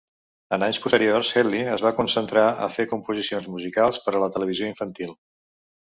En anys posteriors, Heatlie es va concentrar a fer composicions musicals per a la televisió infantil.